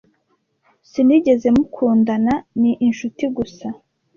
Sinigeze mukundana. Ni inshuti gusa.